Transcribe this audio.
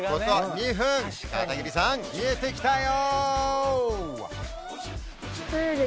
２分片桐さん見えてきたよ！